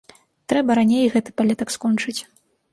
Трэба раней гэты палетак скончыць.